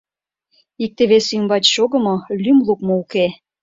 Икте весе ӱмбач чогымо, лӱм лукмо уке.